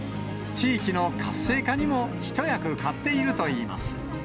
地域の活性化にも一役買っているといいます。